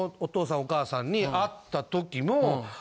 お義母さんに会った時も。